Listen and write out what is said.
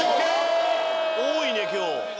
多いね今日。